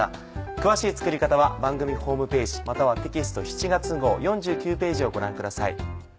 詳しい作り方は番組ホームページまたはテキスト７月号４９ページをご覧ください。